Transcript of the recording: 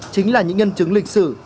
chính là những nhân chứng lịch sử